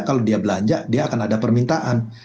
kalau dia belanja dia akan ada permintaan